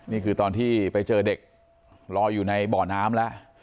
นี่คือตอนที่ไปเจอเด็กรออยู่ในบ่อน้ำแล้ว